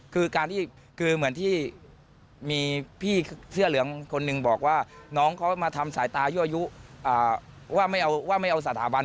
คือการที่คือเหมือนที่มีพี่เสื้อเหลืองคนหนึ่งบอกว่าน้องเขามาทำสายตายั่วยุว่าไม่เอาสถาบัน